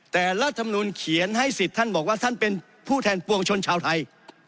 แต่รัฐมนุนเขียนให้สิทธิ์ท่านบอกว่าท่านเป็นผู้แทนปวงชนชาวไทย